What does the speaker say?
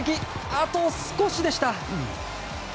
あと少しでした。